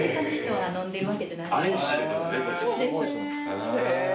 へえ。